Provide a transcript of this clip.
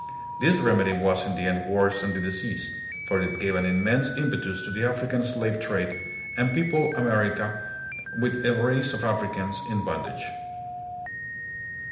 This remedy was in the end worse than the disease, for it gave an immense impetus to the African slave trade and peopled America with a race of Africans in bondage.